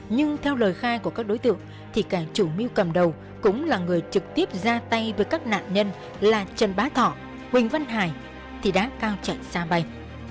nhưng theo lời khai của các đối tượng thì cả chủ mưu cầm đầu cũng là người trực tiếp ra tay với các nạn nhân là trần bá thỏ huỳnh văn hải thì đã cao chạy xa bay